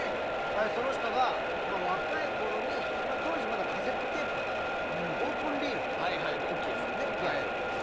その人が若いころに、当時まだカセットテープがなくてオープンリールっていう大きいやつ。